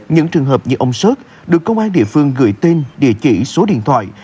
những trường hợp như ông xrt được công an địa phương gửi tên địa chỉ số điện thoại